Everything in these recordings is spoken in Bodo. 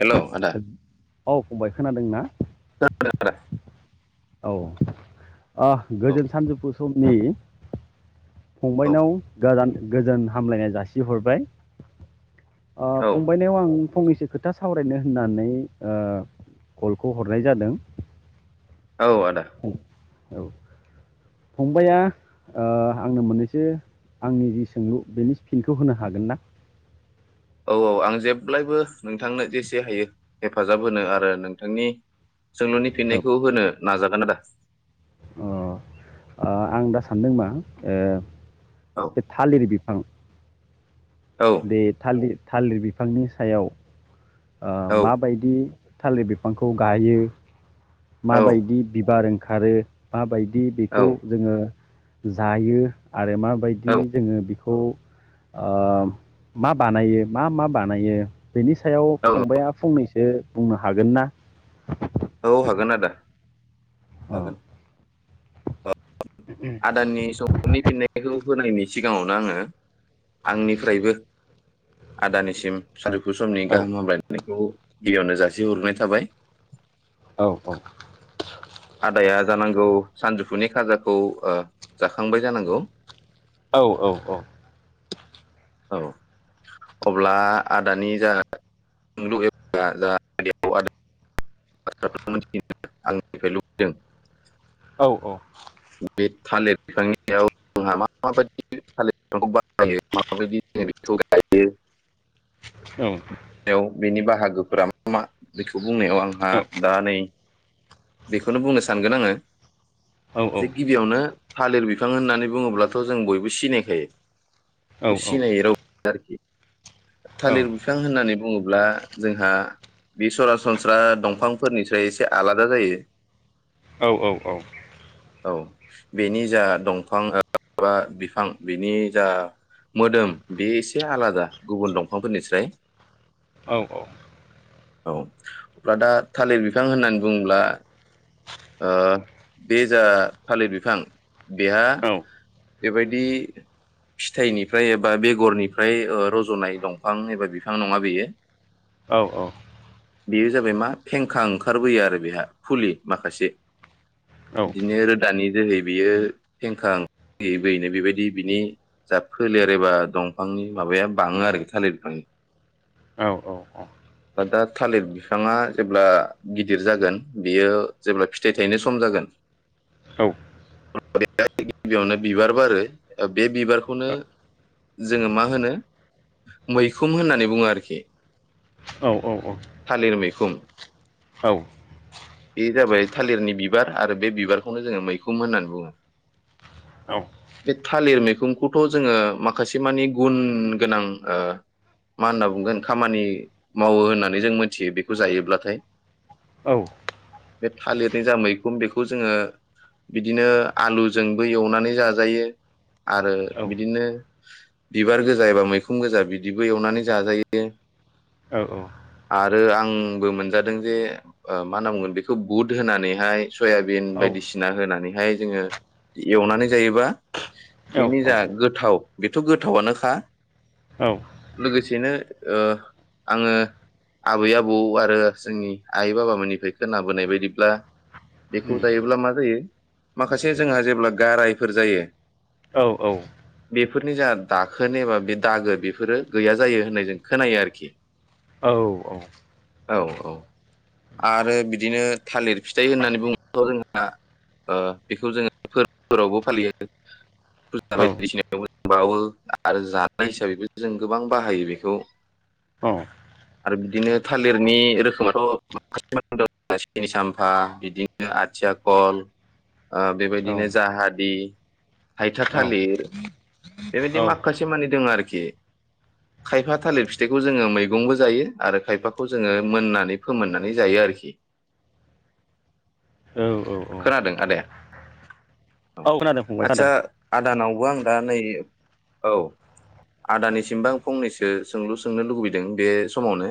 हेलौ आदा औ फंबाय खोनादोंना आद आदा औ ओ औ गोजोन सानजौफु समनि औ फंबयनावा गोजोन हामलायनाय जासिहरबाय ओ औ फंबायनियाव आं फंनैसो खोथा सावरायनो होननानै ओ कलखौ हरनाय जादों औ आदा औ फंबाया ओ आंनो मोननैसो आंनि जि सोंलु बेनि फिनखौ होनो हागोन ना औ औ आं जेब्लायबो नोंथांनो जेसे हायो हेफाजाब होनो आरो नोंथांनि सोंलुनि औ फिननायखौ होनो नाजागोन आदा अ ओ दा सानदों मा ओ औ बे थालिर बिफां औ बे थालित थालिर बिफांनि सायाव ओ औ मा बायदि थालिर बिफांखौ गायो माबायदि बिबार ओं खारो माबाय दि औ बेखौ जोङो जायो आरो माबायदि औ जोङो बिख खौ ओ मा बानायो मा मा बानायो बेनि सायाव औ फंबाया फंनैस बे बुंनो हागोन ना औ हागोन आदा अ हागोन आदाननि सबनि फिननायखौ होनायनि सिगाङावनो आङो आंनिफ्रायबो आदानिसिम सानजौफु समनि औ गाहाम हामग्लायनायखौ गिबियावनो जासिहरग्रोनाय थाबाय औ औ आदाया जानांगौ सानजौफुनि खाजाखौ ओ जाखांबाय जानांगौ औ औ औ [unintelligible] औ औ [unintelligible] औ बेयाव बेनि बाहागोफ्रा [unintelligible] बेखौ बुंनायाव आंहा दा नै बेखौनो बुंनो सानगोन आंङो औ जे गिबियावनो थालिर बिफां होननानै बुंङोब्लाथ' जों बयबो औ सिनायखायो। [unintelligible] थालिर बिफां होननानै बुंङो। ब्ला जोंहा बे सरासनस्रा दंफां फोरनिफ्राय एसे आलादा जायो। औ औ औ औ बेनि जा दंफां बा बिफां बेनि जा मोदोम बे एसे आलादा गुबुन दंफांफोरनिस्राय औ औ औ अब्ला दा थालिर बिफां होननानै बुंङोब्ला ओ बे जा थालिर बिफां बिहा बेबायदि फिथाइ निफ्राय एबा बेगरनिफ्राय रज'नाय दंफां एबा बिफां नंङा बेयो। औ औ बेयो जाबाय मा फेंखा ओंखारबोयो आरो बेहा फुलि माखासे बिदिनो रोदानि जोहै बेयो फेंखा बोयै बोयैनो बेबायदि बिनि जा फोलेर एबा दंफांनि मासाया बांङो आरो माबाया बांङो आरो थालिर बिफांनि दा थालिर बिफांङा जेब्ला गिदिर जागोन बेयो जेब्ला फिथाइ थाइनो सम खम जागोन [unintelligible] गिबियावनो बिबार बारो बे बिबारखौनो जोंङो मा होनो मैखुन होननानै बुंङो आरोखि थालिर मैखुम। बे जाबाय थालिरनि बिबार आरो बे बिबारखौनो जोङो मैखुन होननानै बुंङो। बे थालिर मैखुनखौथ' जोंङो माखासे मानि गुन गोनां ओ मा होनना बुंगोन खामानि मावो होननानै जों मोनथियो बेखौ जायोब्लाथाय बे थालिरनि जा मैखुन बेखौ जोंङो बिदिनो आलुजोंबो एवनानै जाजायो। आरो बिदिनो बिबार गोजा एबा मैखुन गोजा बिदिबो एवनानै जाजायो आरो आंबो मोनजादों जे ओ मा होनना बुंगोन बेखौ बुद होनानैहाय सयाबिन बायदिसिना होनानैहाय जोंङो एवनानै जायोबा बेनि जा गोथाव बेथ' गोथावनोखा लोगोसेनो ओ आंङो आबै आबौ आरो जोंनि आइ बाबामोननि फाय खोनाबोनाय बायदिब्ला बेखौ जायोब्ला मा जायो माखासे जोंहा जेब्ला गारायफोर जायो औ औ बेफोरनि जा दाखोन एबा बे दागो बेफोरो गैया जायो होननाय जों खोनायो आरोखि। औ औ औ आरो बिदिनो थालिर फिथाइ होननानै बुंङोबथ' जोंहा बेखौ जोंङो फोरबोफोरावबो फालियो फुजा औ बायदिसिनायावों बाउओ आरो जानाय हिसाबैबो जों गोबां बाहायो बेखौ आरो बिदिनो थालिरनि रोखोमाथ' [unintelligible] सिनि सम्पा बिदिनो आथिया कल ओ बेबायदिनो जाहादि हायथा थालिर औ बेबायदि माखासे मानि दोंङो आरोखि खायफा थालिर फिथाइखौ जोंङो मैगंबो जायो आरो खायफाखौ जोंङो मोननानै फोमोन जायो आरो खि, औ खोनादों आदाया? औ खोनादों फंबाय आदसा खोनादों आदानाव व आं दा नै औ आदानिसिमबो आं फंनैसो सोंलु सोंनो लुबैदों बे समावनो।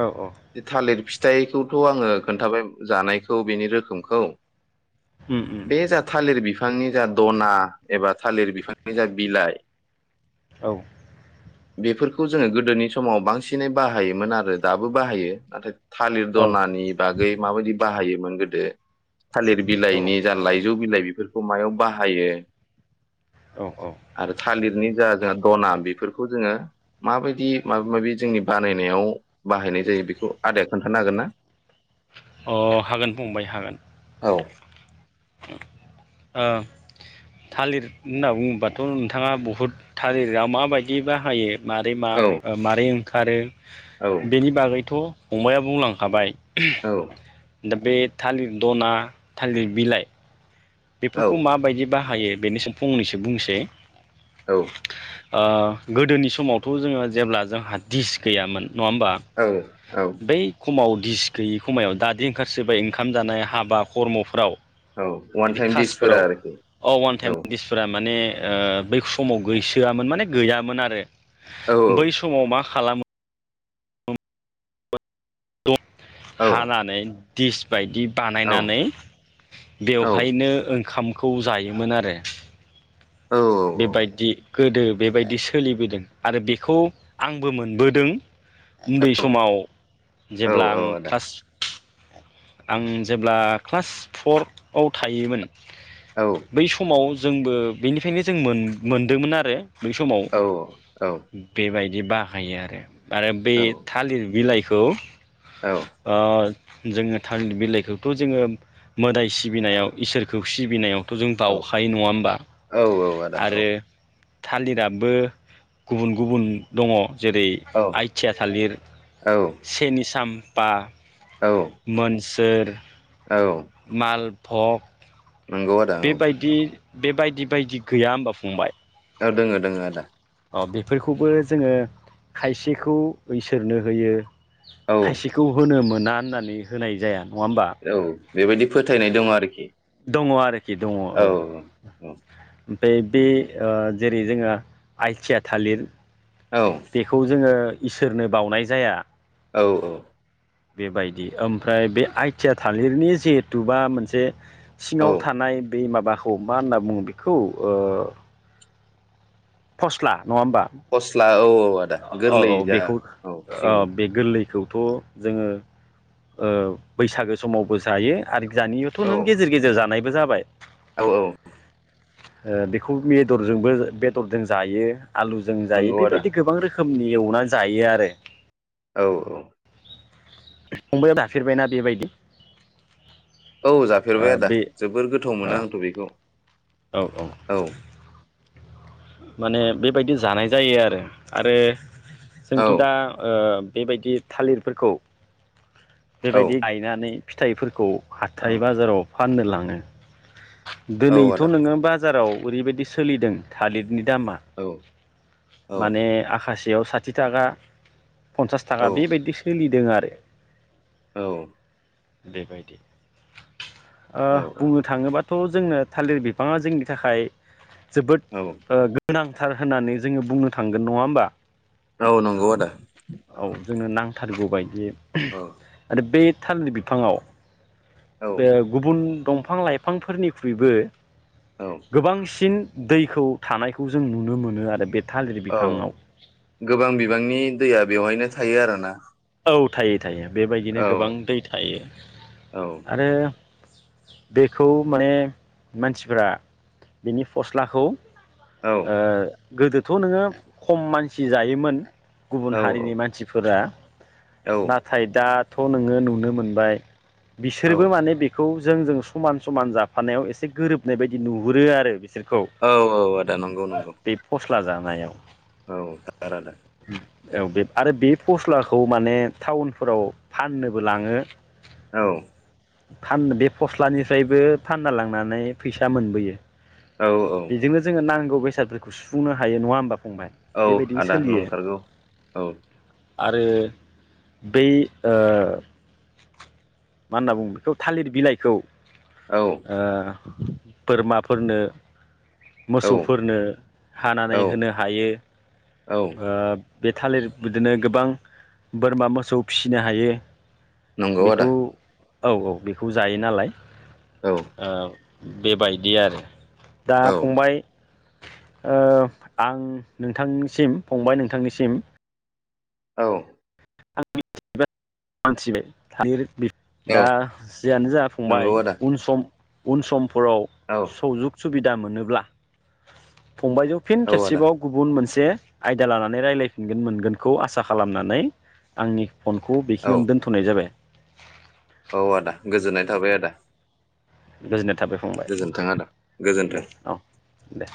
औ औ थालिर फिथाइखौथ' आंङो खोन्थाबाय जानायखौ बेनि रोखोमखौ उम उम बे जा थालिर बि बिफांनि जा दना एबा थालिर बिफांनि जा बिलाइ औ बेफोरखौ जोंङो गोदोनि समाव बांसिनै बाहायोमोन आरो दाबो बाहायो। नाथाय थालिर दनानि बागै माबायदि बाहायोमोन गोदो थालिर औ बिलाइनि जा लाइजौ बिलाइ बेफोरखौ मायाव बाहायो औ औ आरो थालिरनि जा जोंहा दना बेफोरखौ जोंङो माबायदि माबा माबि जोंनि बानायनायाव बाहायनाय जायो बेखौ आदाया खोन्थानो हागोन ना? अ हागोन फंबाय हागोन । औ ओ थालिर होनना बुंङोबाथ' नोंथाङा बहुद थालिरा माबायदि बाहायो माबारै मा औ मारै ओंखारो औ बेनि बागैथ' फंबाया बुंलांखाबाय। औ। दा बे थालिर दना थालिर बिलाइ। औ बेफोरखौ माबायदिबा बा हायो बेनिसिम फंनैसो बुंनोसै औ। ओ गोदोनि समावथ' जोङो जेब्ला जोंहा दिस गैयामोन। नङा होमबा औ बै खमाव। गिस गैयि खमायाव दाद ओंखारसोबबाय ओंखाम जानाय हाबा खर्म'फोराव। औ वान बिदि टाइम दिसफोरा कासफोराव आरोखि अ अवान औ टाइम दिसफोरा माने। बै समाव गैसोआमोन माने गैयामोन आरो। औ बै समाव मा। खालामो। द। औ हा ना नै। दिस। बायदि औ बानायनानै औ बेवहायनो ओंखाम। खौ जायोमोन आरो। औ बेबायदि। गोदो बेबायदि सोलिबोदों आरो बेखौ आंबो मोनबोदों। उन्दै समाव औ जेब्ला आं औ आदा क्लास। आं जेब्ला क्लास फर आव थायोमोन। औ बै समाव। जोंबो बेनिफ्रायनो। जों मोनदोंमोन आरो। बै समाव औ औ बेबाय। बि बाहायो आरो। आरो बे औ थालिर बिलाइखौ। औ खौ। [inaudible] जोङो थालिर बिलाइखौथ' जोङो मोदाय सिबिनायाव इसोरखौ सिबिनायाव। थ' जों औ बाउखायो नङा होमबा। आदा औ आरो। थालिराबो गुबुन गुबुन दङ‌। जेरै औ आइथिया थालिर‌। औ सेनिसाम बा औ मोन थोर औ माल भग नंगौ आदा औ बेबायदि बेबायदि बायदि गैया होमबा फंबाय? ओ दोङो दोङो आदा । अ बेफोरखौबो जोङो खायसेखौ इसोरनो होयो औ खायसेखौ होनो मोन ना होननानै होनाय जाया । औ बेबायदि फोथायनाय दङ आरोखि दङ आरोखि औ औ । ओय बे ओ जेरै जोङो आइथिया थालिर औ बेखौ जोङो इसोरनो बावनाय जाया । औ औ बेबायदि ओमफ्राय बे आइथिया थालिरनि जिहेथुुबा मोनसे औ सिङाव थानाय बे माबा खौ मा होनना बुङो बेखौ ओ फस्ला नङा होमबा फस्ला औ औ आदा औ गोरलै जा औ सिंनि खौथ' जोङो ओ बैसागो समावबो जायो आरो जानियावथ' औ नों गेजेर गेजेर जानाय बो जाबाय । औ औ ओ बेखौ बेदरजोंबो बेदरदों जायो । आलुजों जायो नंगौ आदा बेबायदि गोबां रोखोम खोमनि एवनानै जायो आरो औ औ फंबाइया जाफेरबायना बेबायदि? औ ओ जाफेरबाय आदा बे जोबोर गोथाव औ मोनो आंथ' बेखौ । औ औ माने बेबायदि जानाय जायो आरो आरो औ जोंथ' दा ओ बेबायदि थालिरफोरखौ औ बेबायदि गायनानै फिथाइफोरखौ हाथाय बाजाराव फाननो लाङो। औ दोनैथ' आदा नोङो बाजाराव उरैबायदि सोलिदों थालिरनि दामा औ औ माने आखासे बेयाव साथि थाखा पन्सास थाखा बेबायदि सोलि दों आरो। औ बेबायदि ओ औ बुंनो थाङोबा थ' जोंनो थालिर बिफाङा जोंनि थाखाय जोबोद औ औ ओ गो नांथार होननानै जोङो बुंनो थांगोन नङा होमबा। औ नंगौ आदा। औ जोंनो नांथारगौ बायदि औ आरो बे थामलि बिफाङाव औ बे गुबुन दंफां लाइफांफोरनिख्रुइबो औ गोबांसिन दैखौ थानायखौ जों नुनो मोनो आरो बे थालिर औ बिफाङाव गोबां बिबांनि दैया बेवहायनो थायो आरोना। औ थायो। थायो बेबायदिनो औ गोबां दै थायो औ आरो बेखौ माने मानसिफोरा बेनि फस्लाखौ औ ओ गोदोथ' नोङो खम मानसि जायोमोन गुबुन औ हारिनि मानसिफोरा नाथाय दा थ' नोङो नुनो मोनबाय। औ बिसोरबो माने बेखौ खौ जों जों समान समान जाफानायाव एसे गोरोबनाय बायदि नुहुरो आरो बिसोर औ औ आदा नंगौ नंगौ। स्ला जानायाव औ थारानो। औ बे आरो बे फस्ला खौ माने टाउनफोराव फाननोबो लाङो। औ। फान बे फस्लानिफ्रायबो फानना लांनानै फैसा मोनबोयो। औ औ बेजोंनो जोङो नां गौ बेसादफोरखौ सुुंफुंनो हायो नङा होमबा। फंबाय औ बेबायदि आदा सोलियो नंथारगौ औ। आरो बेै ओ मा होनना बुंङो बेखौ थालिर बिलाइखौ औ ओ बोरमाफोरनो औ मोसौफोरनो हानानै औ होनो हायो औ ओ बे थालिर बिदिनो गोबां बोरमा मोसौ फिसिनो हायो। नंगौ बेखौ आदा। औ औ बेखौ जायो नालाय। औ ओ बेबायदि आरो। दा औ फंबाय ओ आं नोंथांनिसिम फंबाय नोंथांनिसिम औ। आं थिबाय थालिर बि औ दा जियानो जा फंबाय नंगौ आदा उन सम उन सम फोराव औ सौजुग सुबिदा मोनोब्ला फंबायजों फिन आदा खेबसेबाव गुबुन मोन से आयदा लानानै रायलायफिनगोन मोनगोनखौ आसा खालामनानै आंनि फनखौ औ बेखिनियावनो दोनथ'नाय जाबाय। औ आदा गोजोननाय थाबाय आदा। [unintelligible] थाबाय फंबाय गोजोन्थों आदा गोजोन्थों दे औ दे।